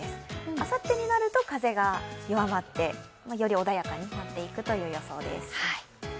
あさってになると風が弱まって、より穏やかになっていくという予想です。